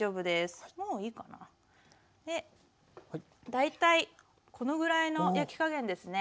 大体このぐらいの焼き加減ですね。